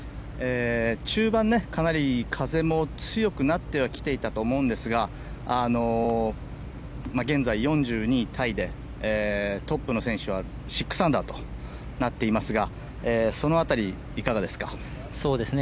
中盤、かなり風も強くなってきていたとは思うんですが現在４２位タイでトップの選手は６アンダーとなっていますがその辺り、いかがですか？